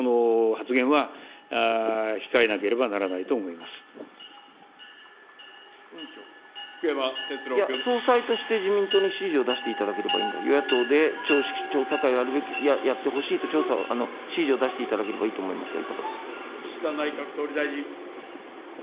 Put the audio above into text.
いや、総裁として自民党に指示を出していただければいいんだと、与野党で調査会やるべき、やってほしいと、調査を、指示を出していただければいいと思いますが、いかがですか。